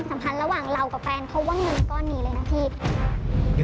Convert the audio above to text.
เพราะว่าเงินก็หนีเลยนะพี่